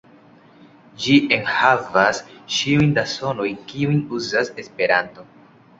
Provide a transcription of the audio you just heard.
Ĝi enhavas ĉiuj da sonoj, kiujn uzas Esperanto.